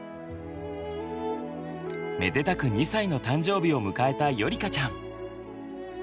めでたく２歳の誕生日を迎えたよりかちゃん！